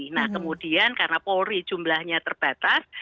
nah kemudian karena polri jumlahnya terbatas